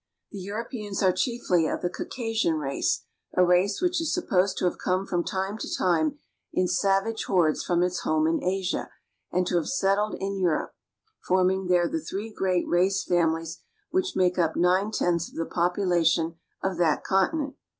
The Europeans are chiefly of the Caucasian race, a race which is supposed to have come from time to time in savage hordes from its home in Asia and to have settled in Europe, forming there the three great race families which make up nine tenths of the population of that conti nent.